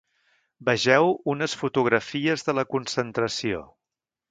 Vegeu unes fotografies de la concentració.